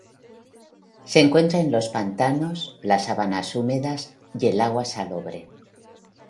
Se encuentra en los pantanos, las sabanas húmedas, y el agua salobre.